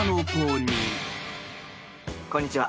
こんにちは。